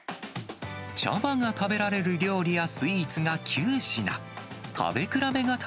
茶葉が食べられる料理やスイーツが９品。